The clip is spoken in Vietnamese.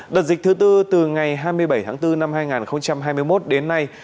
đợt dịch thứ tư từ ngày hai mươi bảy tháng bốn năm hai nghìn hai mươi một đến nay